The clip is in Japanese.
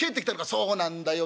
「そうなんだよ